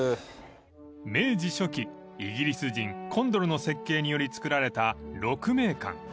［明治初期イギリス人コンドルの設計により造られた鹿鳴館］